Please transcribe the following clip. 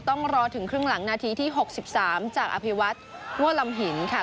ต้องรอถึงครึ่งหลังนาทีที่๖๓จากอภิวัตมั่วลำหินค่ะ